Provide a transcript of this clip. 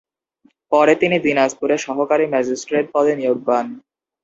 পরে তিনি দিনাজপুরে সহকারী ম্যাজিস্ট্রেট পদে নিয়োগ পান।